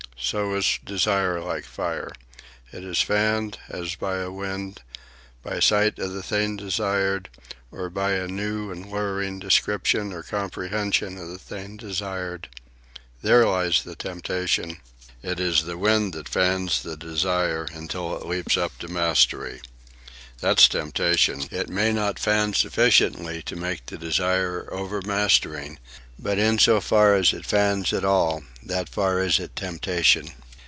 So is desire like fire. It is fanned, as by a wind, by sight of the thing desired, or by a new and luring description or comprehension of the thing desired. There lies the temptation. It is the wind that fans the desire until it leaps up to mastery. That's temptation. It may not fan sufficiently to make the desire overmastering, but in so far as it fans at all, that far is it temptation.